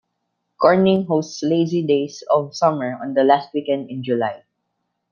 Corning hosts Lazy Days of Summer on the last weekend in July.